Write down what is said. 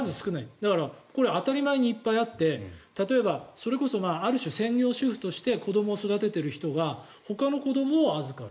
だから、これは当たり前にいっぱいあって例えば、それこそある種、専業主婦として子どもを育てている人がほかの子どもを預かる。